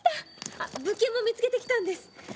あっ物件も見つけてきたんです。